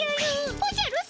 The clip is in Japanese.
おじゃる様！